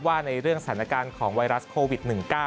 ในเรื่องสถานการณ์ของไวรัสโควิด๑๙